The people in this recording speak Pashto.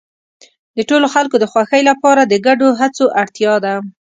د ټولو خلکو د خوښۍ لپاره د ګډو هڅو اړتیا ده.